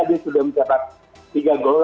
dia sudah mencatat tiga gol